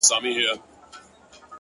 په څو رنگه عذاب د دې دنیا مړ سوم’